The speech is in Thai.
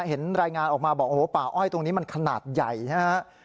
เห็นรายงานออกมาบอกโอ้โหป่าอ้อยตรงนี้มันขนาดใหญ่นะฮะ